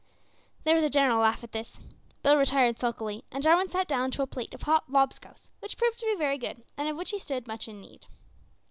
There was a general laugh at this. Bill retired sulkily, and Jarwin sat down to a plate of hot "lob scouse," which proved to be very good, and of which he stood much in need.